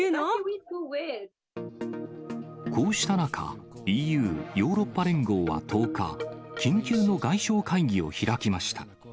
こうした中、ＥＵ・ヨーロッパ連合は１０日、緊急の外相会議を開きました。